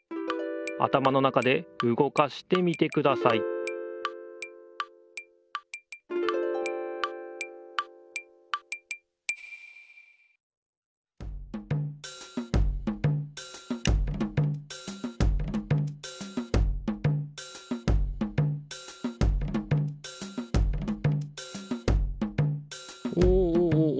あたまの中でうごかしてみてくださいおおおお。